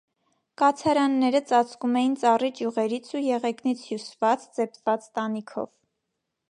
Կացարանները ծածկում էին ծառի ճյուղերից ու եղեգնից հյուսված, ծեփված տանիքով։